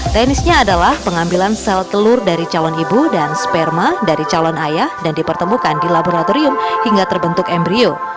teknisnya adalah pengambilan sel telur dari calon ibu dan sperma dari calon ayah dan dipertemukan di laboratorium hingga terbentuk embryo